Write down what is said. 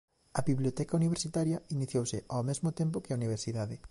A biblioteca universitaria iniciouse ao mesmo tempo que a universidade.